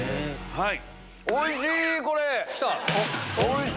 はい。